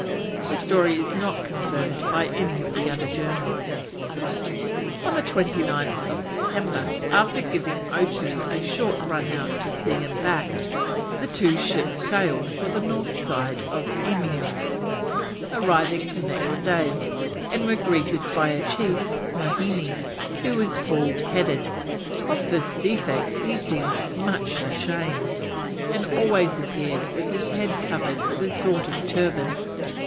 The story is not confirmed by any of the other journals. On 29th September, after giving Otoo a short run out to sea and back, the two ships sailed for the north side of Eimeo, arriving the next day, and were greeted by a chief, Maheine, who was bald headed. Of this defect he seemed much ashamed, and always appeared with his head covered with a sort of turban.